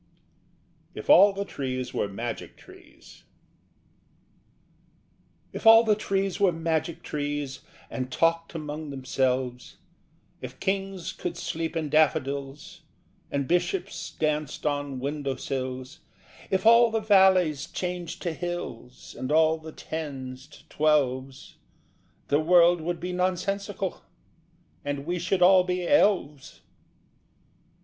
If all the trees were magic trees If all the trees were magic trees And talked among themselves, If kings could sleep in daffodils And bishops danced on window sills, If all the valleys changed to hills And all the tens to twelves, The world would be nonsensical, And we should all be elves.